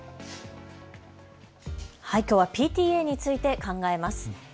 きょうはＰＴＡについて考えます。